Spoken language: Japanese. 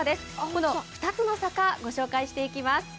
この２つの坂、ご紹介していきます。